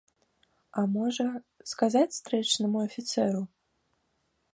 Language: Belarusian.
А можа, сказаць стрэчнаму афіцэру?